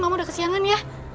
mama udah kesiangan ya